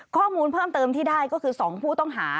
ข้อมูลเพิ่มเติมที่ได้ก็คือ๒ผู้ต้องหา